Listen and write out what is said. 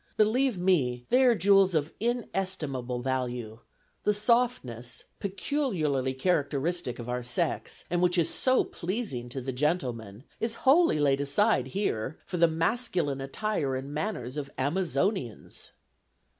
Believe me, they are jewels of inestimable value; the softness, peculiarly characteristic of our sex, and which is so pleasing to the gentlemen, is wholly laid aside here for the masculine attire and manners of Amazonians."